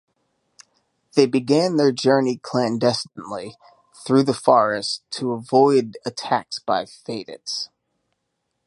They began their journey clandestinely, "through the forest", to avoid attacks by "faidits".